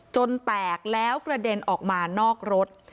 แตกแล้วกระเด็นออกมานอกรถ